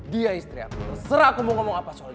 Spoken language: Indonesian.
dia istri aku terserah aku mau ngomong apa soalnya